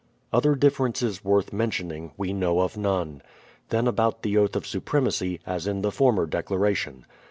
Other differences worth mentioning, we know of none. Then about the Oath of Supremacy, as in the former declaration.